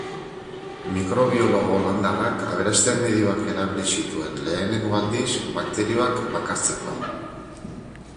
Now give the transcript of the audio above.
Mikrobiologo holandarrak aberaste-medioak erabili zituen lehenengo aldiz bakterioak bakartzeko.